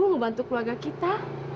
ngebantu keluarga kita